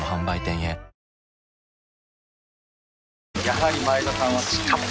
やはり前田さんはちかっ